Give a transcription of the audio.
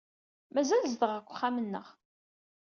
Mazal zedɣeɣ deg uxxam-nneɣ.